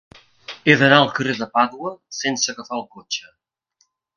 He d'anar al carrer de Pàdua sense agafar el cotxe.